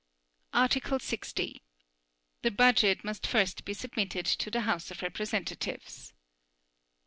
Article 60. The Budget must first be submitted to the House of Representatives.